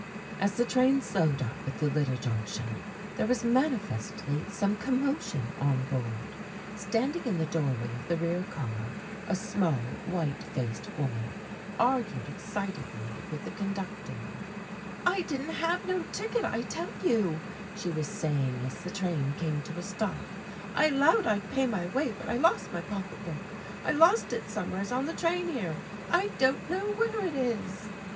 As the train slowed up at the little Junction, there was manifestly some commotion on board. Standing in the doorway of the rear car a small, white faced woman argued excitedly with the conductor. "I didn't have no ticket, I tell you!" she was saying as the train came to a stop. "I 'lowed I'd pay my way, but I lost my pocket book. I lost it somewheres on the train here, I don't know where it is!"